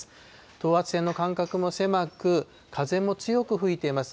等圧線の間隔も狭く、風も強く吹いています。